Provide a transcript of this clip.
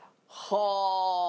はあ。